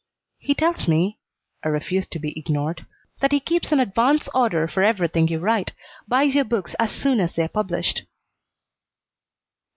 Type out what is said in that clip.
"He tells me" I refused to be ignored "that he keeps an advance order for everything you write; buys your books as soon as they are published."